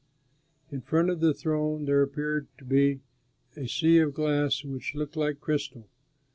In front of the throne there appeared to be a sea of glass which looked like crystal.